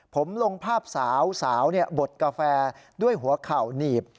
ผมลงภาพสาวบดกาแฟด้วยหัวเข่าหนีบ